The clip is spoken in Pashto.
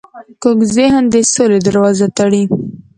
کوږ ذهن د سولې دروازه تړي